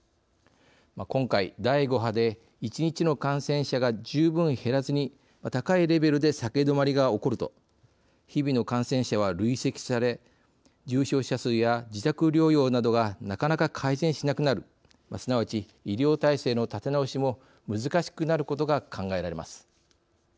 今回、第５波で１日の感染者が十分減らずに高いレベルで下げ止まりが起こると日々の感染者は累積され重症者数や自宅療養などがなかなか改善しなくなるすなわち、医療体制の立て直しも難しくなることが考えられます。